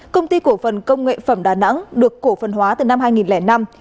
công ty cổ phần công nghệ phẩm đà nẵng được cổ phân hóa từ năm hai nghìn năm